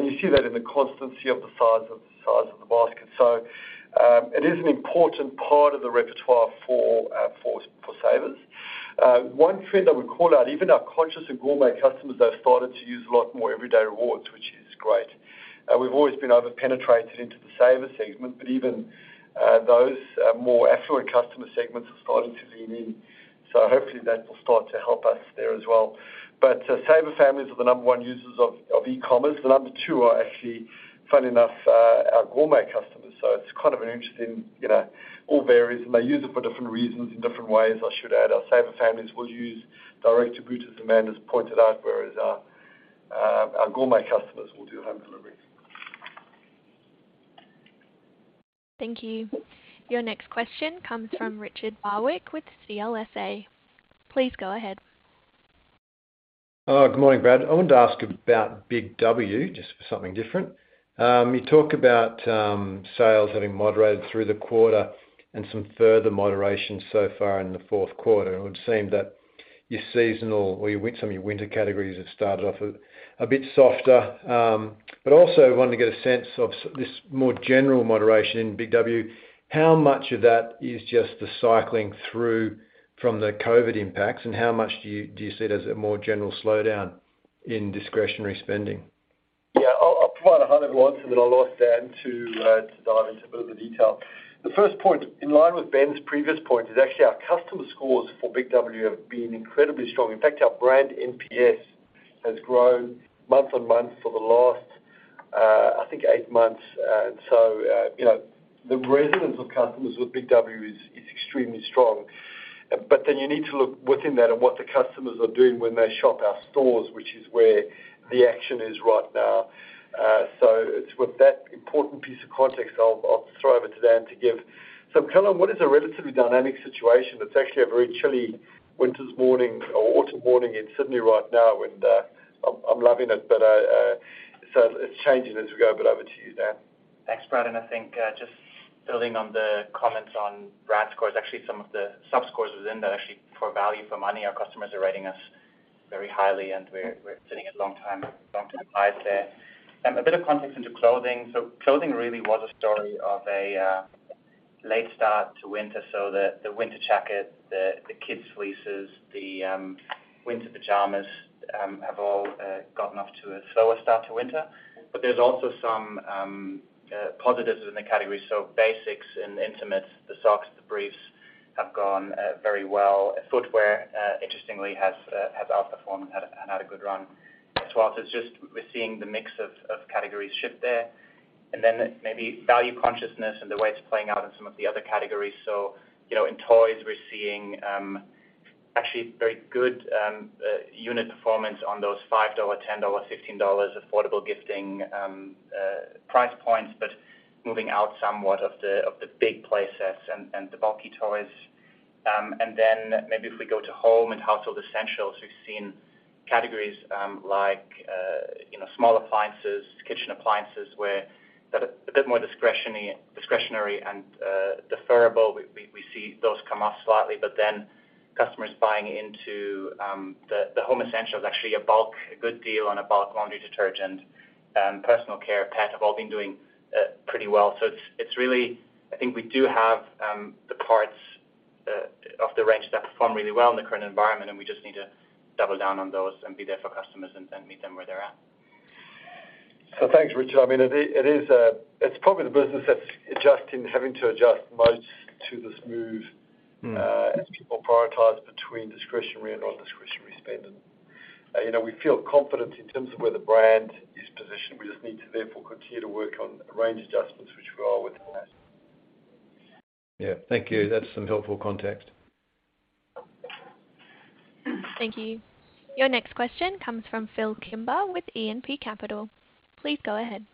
You see that in the constancy of the size of the basket. It is an important part of the repertoire for savers. One trend I would call out, even our conscious and gourmet customers have started to use a lot more Everyday Rewards, which is great. We've always been over-penetrated into the saver segment, but even those more affluent customer segments are starting to lean in. Hopefully that will start to help us there as well. Saver families are the number one users of e-commerce. The number two are actually, funny enough, our gourmet customers. It's kind of an interesting, you know, all varies, and they use it for different reasons in different ways, I should add. Our saver families will use Direct to boot as Amanda's pointed out, whereas our gourmet customers will do home deliveries. Thank you. Your next question comes from Richard Barwick with CLSA. Please go ahead. Good morning, Brad. I wanted to ask about BIG W just for something different. You talk about sales having moderated through the quarter and some further moderation so far in the fourth quarter. It would seem that your seasonal or your winter categories have started off a bit softer. Also wanted to get a sense of this more general moderation in BIG W. How much of that is just the cycling through from the COVID impacts, and how much do you see it as a more general slowdown in discretionary spending? I'll provide a high level answer, and then I'll ask Dan to dive into a bit of the detail. The first point, in line with Ben's previous point, is actually our customer scores for BIG W have been incredibly strong. In fact, our brand NPS has grown month on month for the last, I think eight months. You know, the resonance of customers with BIG W is extremely strong. Then you need to look within that at what the customers are doing when they shop our stores, which is where the action is right now. It's with that important piece of context I'll throw over to Dan to give some color on what is a relatively dynamic situation. It's actually a very chilly winter's morning or autumn morning in Sydney right now, and I'm loving it. So it's changing as we go, but over to you, Dan. Thanks, Brad. I think, just building on the comments on brand scores, actually some of the sub-scores within that, actually for value, for money, our customers are rating us very highly and we're sitting at long time, long term highs there. A bit of context into clothing. Clothing really was a story of a late start to winter, so the winter jacket, the kids' fleeces, the winter pajamas, have all gotten off to a slower start to winter. There's also some positives in the category. Basics and intimates, the socks, the briefs have gone very well. Footwear, interestingly has. Performance had a good run as well. It's just we're seeing the mix of categories shift there. Then maybe value consciousness and the way it's playing out in some of the other categories. You know, in toys, we're seeing actually very good unit performance on those 5 dollars, 10 dollars, 15 dollars affordable gifting price points, but moving out somewhat of the big play sets and the bulky toys. Then maybe if we go to home and household essentials, we've seen categories like, you know, small appliances, kitchen appliances, where that a bit more discretionary and deferrable. We see those come off slightly. Customers buying into the home essentials, actually a bulk, a good deal on a bulk laundry detergent, personal care, pet have all been doing pretty well. It's really. I think we do have the parts of the range that perform really well in the current environment, and we just need to double down on those and be there for customers and meet them where they're at. Thanks, Richard. I mean, it is, it's probably the business that's adjusting, having to adjust most to this move. Mm. As people prioritize between discretionary and non-discretionary spending. You know, we feel confident in terms of where the brand is positioned. We just need to therefore continue to work on range adjustments, which we are with. Yeah. Thank you. That's some helpful context. Thank you. Your next question comes from Phillip Kimber with E&P Capital. Please go ahead.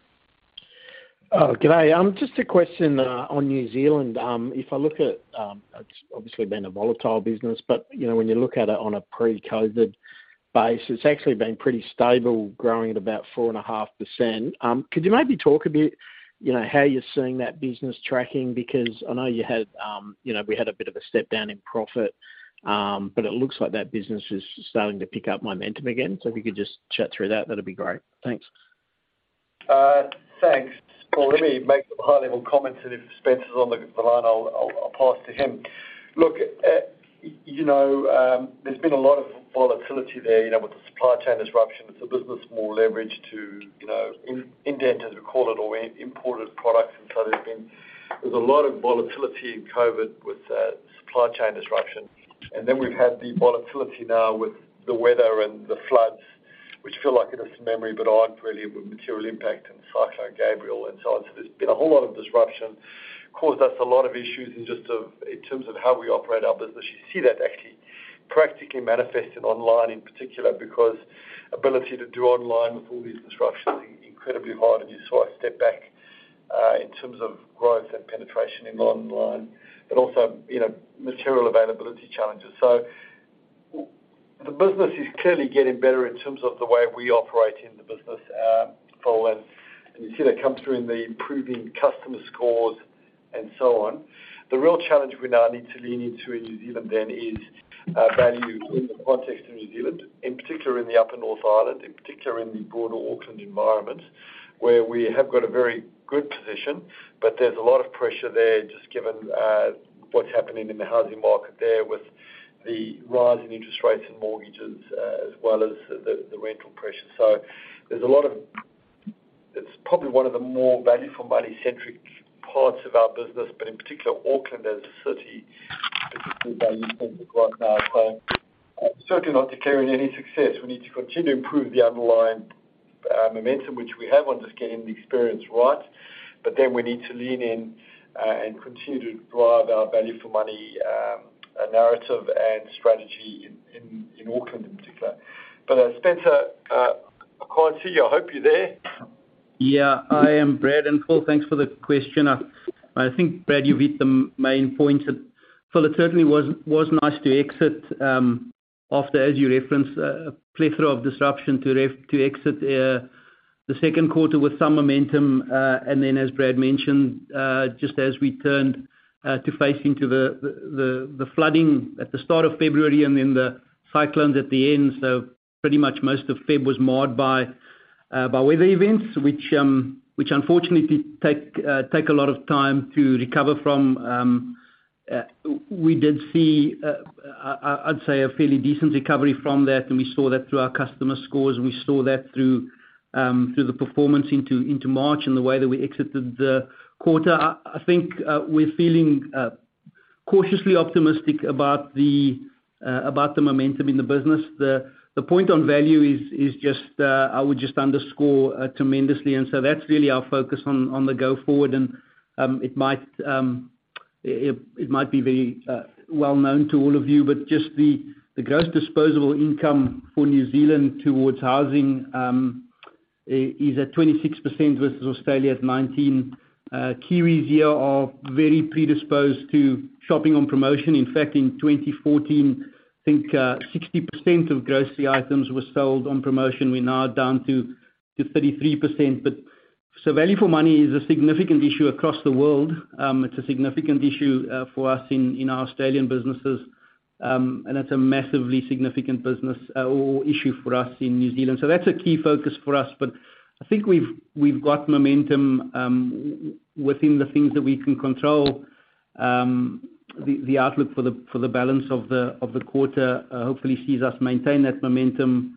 Good day. Just a question on New Zealand. If I look at, obviously been a volatile business, but, you know, when you look at it on a pre-COVID base, it's actually been pretty stable, growing at about 4.5%. Could you maybe talk a bit, you know, how you're seeing that business tracking? Because I know you had, you know, we had a bit of a step down in profit, but it looks like that business is starting to pick up momentum again. If you could just chat through that'd be great. Thanks. Thanks. Well, let me make some high-level comments, and if Spencer's on the line, I'll pass to him. Look, you know, there's been a lot of volatility there, you know, with the supply chain disruption. It's a business more leveraged to, you know, indent as we call it, or imported products. There's a lot of volatility in COVID with supply chain disruption. Then we've had the volatility now with the weather and the floods, which feel like a distant memory, but aren't really with material impact and Cyclone Gabrielle and so on. There's been a whole lot of disruption, caused us a lot of issues in terms of how we operate our business. You see that actually practically manifested online in particular, because ability to do online with all these disruptions is incredibly hard. You saw a step back in terms of growth and penetration in online, but also, you know, material availability challenges. The business is clearly getting better in terms of the way we operate in the business, Phil, and you see that come through in the improving customer scores and so on. The real challenge we now need to lean into in New Zealand is value in the context of New Zealand, in particular in the upper North Island, in particular in the broader Auckland environment, where we have got a very good position, but there's a lot of pressure there just given what's happening in the housing market there with the rise in interest rates and mortgages, as well as the rental pressure. There's a lot of It's probably one of the more value for money centric parts of our business, but in particular Auckland as a city is particularly value centric right now. Certainly not declaring any success. We need to continue to improve the underlying momentum which we have on just getting the experience right. We need to lean in and continue to drive our value for money narrative and strategy in Auckland in particular. Spencer, I can't see you. I hope you're there. Yeah. I am, Brad. Phil, thanks for the question. I think, Brad, you've hit the main points. Phil, it certainly was nice to exit after, as you referenced, a plethora of disruption to exit the second quarter with some momentum. As Brad mentioned, just as we turned to face into the flooding at the start of February and then the cyclones at the end. Pretty much most of Feb was marred by weather events, which unfortunately take a lot of time to recover from. We did see, I'd say a fairly decent recovery from that, and we saw that through our customer scores. We saw that through the performance into March and the way that we exited the quarter. I think we're feeling cautiously optimistic about the momentum in the business. The point on value is just I would just underscore tremendously. That's really our focus on the go forward. It might be very well known to all of you, but just the gross disposable income for New Zealand towards housing is at 26% versus Australia at 19%. Kiwis here are very predisposed to shopping on promotion. In fact, in 2014, I think 60% of grocery items were sold on promotion. We're now down to 33%. Value for money is a significant issue across the world. It's a significant issue for us in our Australian businesses. It's a massively significant business or issue for us in New Zealand. That's a key focus for us. I think we've got momentum within the things that we can control. The outlook for the balance of the quarter, hopefully sees us maintain that momentum,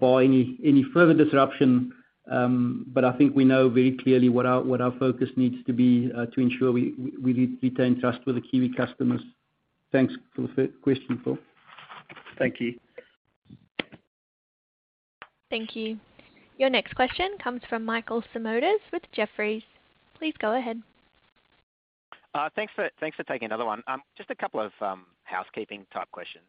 bar any further disruption. I think we know very clearly what our, what our focus needs to be, to ensure we, we retain trust with the Kiwi customers. Thanks for the question, Paul. Thank you. Thank you. Your next question comes from Michael Simotas with Jefferies. Please go ahead. Thanks for taking another one. Just a couple of housekeeping type questions.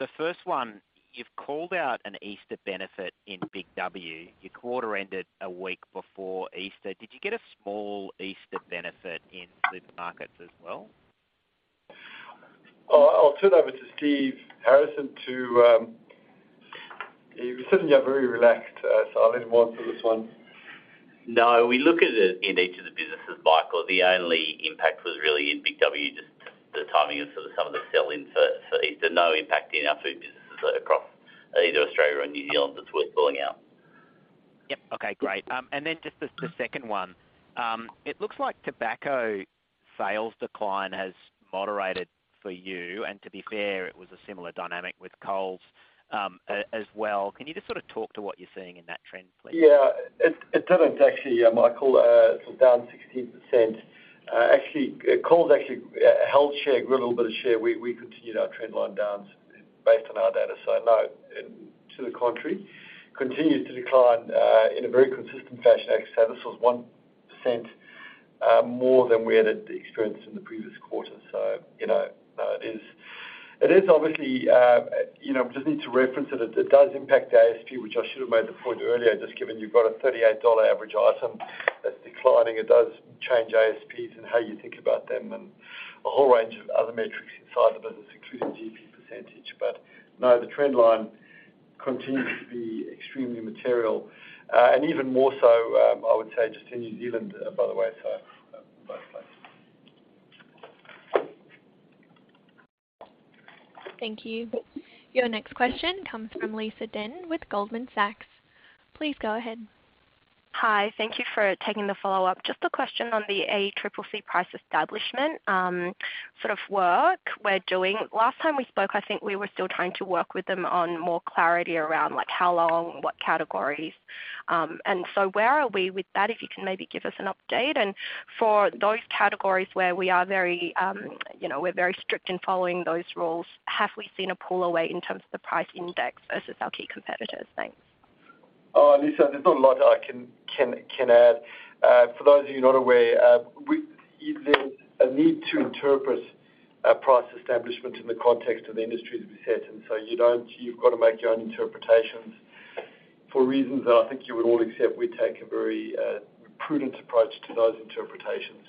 The first one, you've called out an Easter benefit in BIG W. Your quarter ended a week before Easter. Did you get a small Easter benefit in Food markets as well? I'll turn over to Stephen Harrison to. He's sitting here very relaxed, so I'll let him answer this one. No. We look at it in each of the businesses, Michael. The only impact was really in BIG W, just the timing of sort of some of the sell-in for Easter. No impact in our food businesses across either Australia or New Zealand that's worth calling out. Yep. Okay, great. Just the second one. It looks like tobacco sales decline has moderated for you, to be fair, it was a similar dynamic with Coles, as well. Can you just sort of talk to what you're seeing in that trend, please? It didn't actually, Michael. It was down 16%. Actually, Coles actually held share, grew a little bit of share. We continued our trendline downs based on our data. No, to the contrary, continues to decline in a very consistent fashion. Like I said, this was 1% more than we had experienced in the previous quarter. You know, no, it is obviously, you know, just need to reference it does impact the ASP, which I should have made the point earlier, just given you've got a $38 average item that's declining, it does change ASPs and how you think about them and a whole range of other metrics inside the business, including GP%. No, the trendline continues to be extremely material. Even more so, I would say just in New Zealand, by the way, so, both places. Thank you. Your next question comes from Lisa Deng with Goldman Sachs. Please go ahead. Hi. Thank you for taking the follow-up. Just a question on the ACCC price establishment, sort of work we're doing. Last time we spoke, I think we were still trying to work with them on more clarity around, like, how long, what categories. Where are we with that, if you can maybe give us an update? For those categories where we are very, you know, we're very strict in following those rules, have we seen a pull away in terms of the price index versus our key competitors? Thanks. Lisa, there's not a lot I can add. For those of you not aware, is there a need to interpret price establishment in the context of the industry, as we said, you've got to make your own interpretations. For reasons that I think you would all accept, we take a very prudent approach to those interpretations.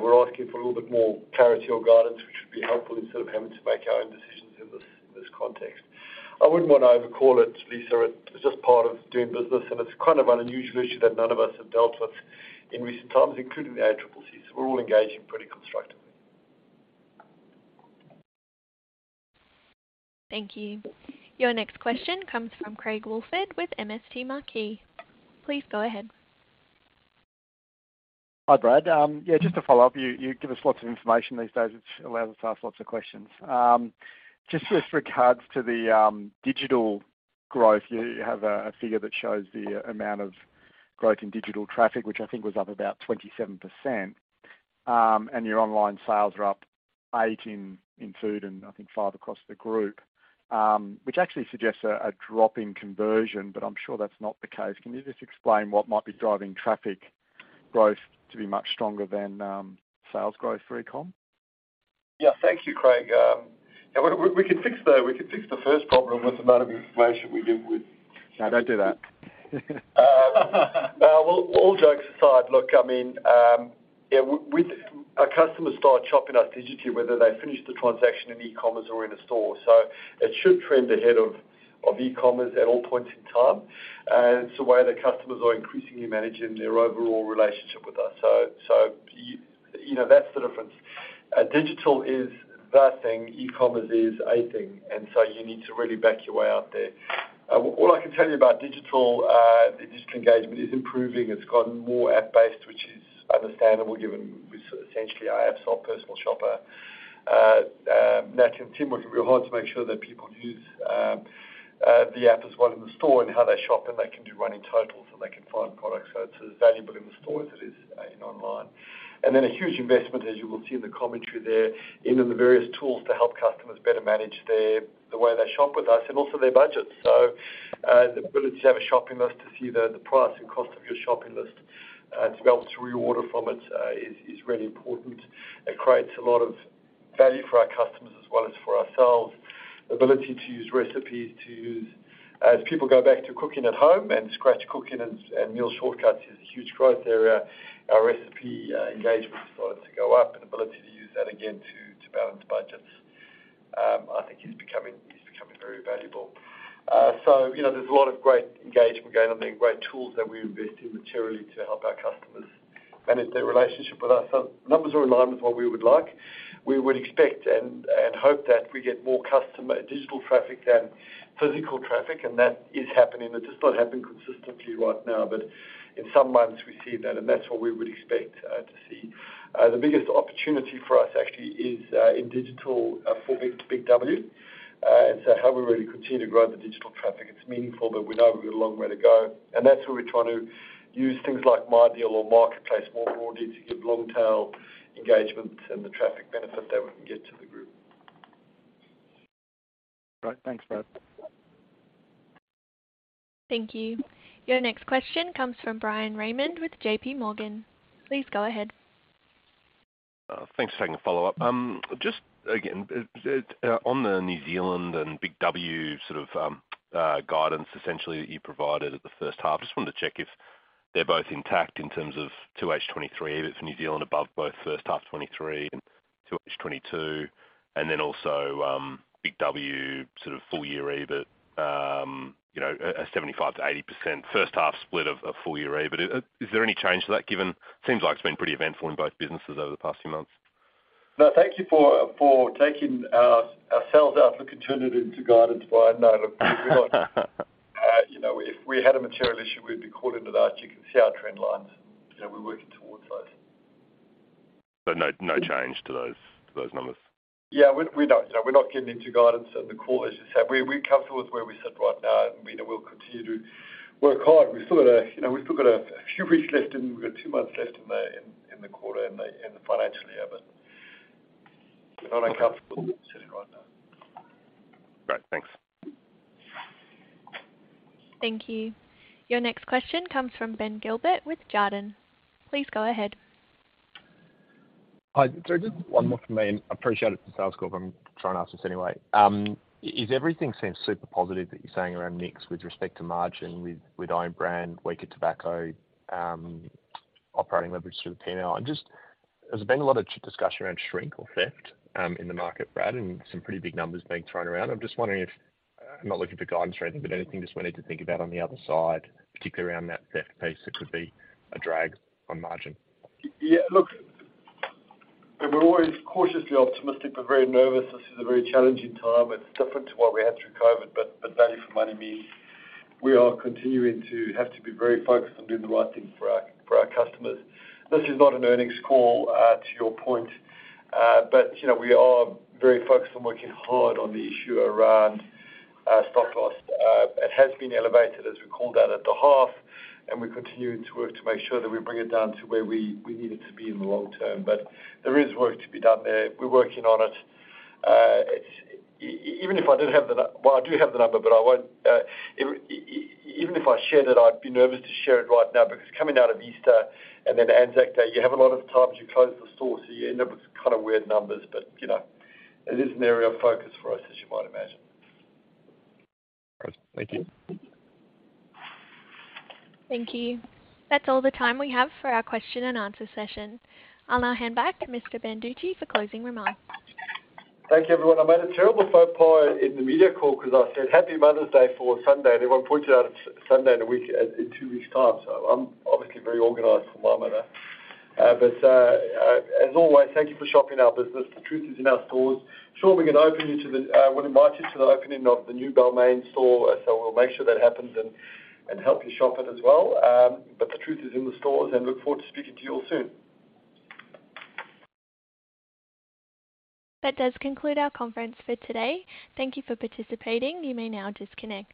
We're asking for a little bit more clarity or guidance, which would be helpful instead of having to make our own decisions in this context. I wouldn't want to over call it, Lisa. It's just part of doing business, and it's kind of an unusual issue that none of us have dealt with in recent times, including the ACCC, so we're all engaging pretty constructively. Thank you. Your next question comes from Craig Woolford with MST Marquee. Please go ahead. Hi, Brad. Yeah, just to follow up, you give us lots of information these days, which allows us to ask lots of questions. Just with regards to the digital growth, you have a figure that shows the amount of growth in digital traffic, which I think was up about 27%. Your online sales are up 8% in food and I think 5% across the group, which actually suggests a drop in conversion, but I'm sure that's not the case. Can you just explain what might be driving traffic growth to be much stronger than sales growth for e-com? Yeah. Thank you, Craig. Yeah, we can fix the first problem with the amount of information we give. No, don't do that. Well, all jokes aside, look, I mean, our customers start shopping us digitally, whether they finish the transaction in e-commerce or in a store, so it should trend ahead of e-commerce at all points in time. It's the way that customers are increasingly managing their overall relationship with us. You know, that's the difference. Digital is that thing, e-commerce is a thing, and so you need to really back your way out there. All I can tell you about digital, the digital engagement is improving. It's gotten more app-based, which is understandable given we're essentially are app store personal shopper. Nat and Tim working real hard to make sure that people use the app as well in the store and how they shop, and they can do running totals and they can find products, so it's as valuable in the store as it is in online. A huge investment, as you will see in the commentary there, into the various tools to help customers better manage the way they shop with us and also their budget. The ability to have a shopping list to see the price and cost of your shopping list, to be able to reorder from it, is really important. It creates a lot of value for our customers as well as for ourselves. The ability to use recipes, to use... As people go back to cooking at home and scratch cooking and meal shortcuts is a huge growth area. Our recipe engagement started to go up and ability to use that again to balance budgets, I think is becoming very valuable. You know, there's a lot of great engagement going on there, great tools that we invest in materially to help our customers manage their relationship with us. Numbers are in line with what we would like. We would expect and hope that we get more customer digital traffic than physical traffic, and that is happening. It's just not happening consistently right now. In some months we see that, and that's what we would expect to see. The biggest opportunity for us actually is in digital for BIG W. How we really continue to grow the digital traffic. It's meaningful, but we know we've got a long way to go. That's where we're trying to use things like MyDeal or Marketplace more broadly to give long tail engagement and the traffic benefit that we can get to the group. Right. Thanks, Brad. Thank you. Your next question comes from Bryan Raymond with JPMorgan. Please go ahead. Thanks for taking the follow-up. Just again, on the New Zealand and BIG W sort of guidance essentially that you provided at the H1, just wanted to check if they're both intact in terms of 2H 2023, if it's New Zealand above both H1 2023 and H2 2022, and then also, BIG W sort of full-year EBIT, you know, a 75%-80% H1 split of full-year EBIT. Is there any change to that given seems like it's been pretty eventful in both businesses over the past few months. No, thank you for taking our sales outlook and turn it into guidance Bryan. No, look. You know, if we had a material issue, we'd be called into that. You can see our trend lines. You know, we're working towards those. no change to those numbers? Yeah. We, we're not, you know, we're not getting into guidance on the call as you said. We, we're comfortable with where we sit right now and, you know, we'll continue to work hard. We've still got a, you know, we've still got a few weeks left and we've got two months left in the, in the quarter and the, and the financial year. We're not uncomfortable sitting right now. Great. Thanks. Thank you. Your next question comes from Ben Gilbert with Jarden. Please go ahead. Hi. Just one more from me and appreciate it's a sales call, but I'm trying to ask this anyway. Is everything seems super positive that you're saying around nix with respect to margin with own brand, weaker tobacco, operating leverage through the P&L. Has there been a lot of discussion around shrink or theft in the market, Brad, and some pretty big numbers being thrown around? I'm just wondering if I'm not looking for guidance or anything, but anything just we need to think about on the other side, particularly around that theft piece that could be a drag on margin? Yeah. Look, we're always cautiously optimistic but very nervous. This is a very challenging time. It's different to what we had through COVID, but value for money means we are continuing to have to be very focused on doing the right thing for our, for our customers. This is not an earnings call to your point. You know, we are very focused on working hard on the issue around stock loss. It has been elevated as we called out at the half, and we're continuing to work to make sure that we bring it down to where we need it to be in the long term. There is work to be done there. We're working on it. Even if I did have the nu... I do have the number, but I won't even if I share that, I'd be nervous to share it right now because coming out of Easter and then Anzac Day, you have a lot of times you close the store, so you end up with kind of weird numbers. But you know, it is an area of focus for us, as you might imagine. Great. Thank you. Thank you. That's all the time we have for our question and answer session. I'll now hand back to Mr. Banducci for closing remarks. Thank you everyone. I made a terrible faux pas in the media call 'cause I said happy Mother's Day for Sunday. Everyone pointed out it's Sunday in a week, in two weeks time. I'm obviously very organized for my mother. As always, thank you for shopping our business. The truth is in our stores. Sure we can open you to the, we'll invite you to the opening of the new Balmain store. We'll make sure that happens and help you shop it as well. The truth is in the stores, and look forward to speaking to you all soon. That does conclude our conference for today. Thank you for participating. You may now disconnect.